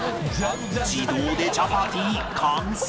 自動でチャパティ完成